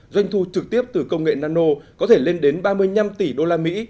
doanh thu trực tiếp từ công nghệ nano có thể lên đến ba mươi năm tỷ usd